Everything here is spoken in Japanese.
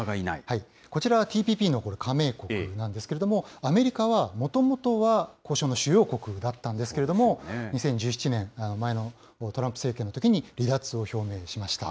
こちらはＴＰＰの加盟国なんですけれども、アメリカはもともとは、交渉の主要国だったんですけれども、２０１７年、前のトランプ政権のときに離脱を表明しました。